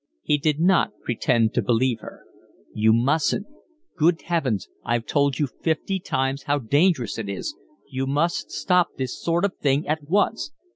He did not pretend to believe her. "You mustn't. Good heavens, I've told you fifty times how dangerous it is. You must stop this sort of thing at once."